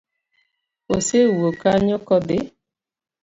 Osewuok kanyo kodhi?